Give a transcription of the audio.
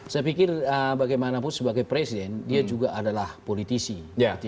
saya pikir bagaimanapun sebagai presiden dia juga adalah politisi